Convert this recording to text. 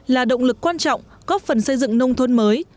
là động lực quan trọng góp phần xây dựng nông thôn mới